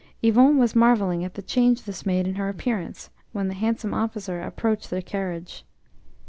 Yvon was marvelling at the change this made in her appearance when the handsome officer approached the carriage.